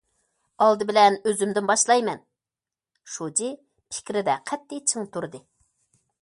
ئالدى بىلەن ئۆزۈمدىن باشلايمەن،- شۇجى پىكرىدە قەتئىي چىڭ تۇردى.